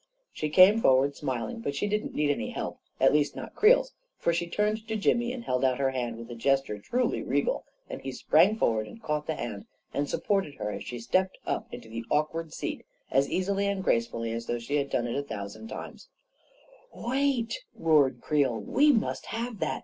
She came forward smiling; but she didn't need any help — at least not Creel's; for she turned to Jimmy and held out her hand with a gesture truly regal; and he sprang forward and caught the hand, and supported her as she stepped up into the awk 154 A KING IN BABYLON ward seat as easily and gracefully as though she had done it a thousand times I " Wait! " roared Creel. " We must have that!